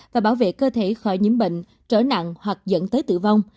và bảo vệ cơ thể khỏi nhiễm bệnh trở nặng hoặc dẫn tới tử vong